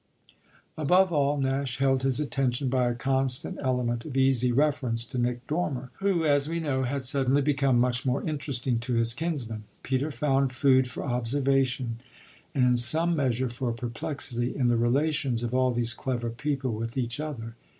Above all Nash held his attention by a constant element of easy reference to Nick Dormer, who, as we know, had suddenly become much more interesting to his kinsman. Peter found food for observation, and in some measure for perplexity, in the relations of all these clever people with each other.